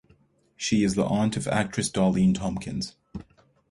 She is the aunt of actress Darlene Tompkins.